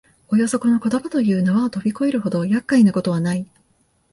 およそこの言葉という縄をとび越えるほど厄介なことはない